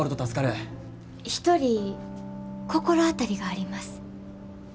一人心当たりがあります。